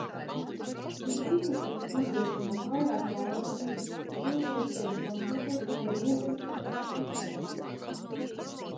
Es ticu, ka tas nodrošinās vairāk pārredzamības, kas dos iespēju konsultēties ar ieinteresētajām pusēm.